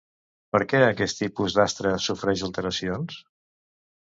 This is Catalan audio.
Per què aquest tipus d'astre sofreix alteracions?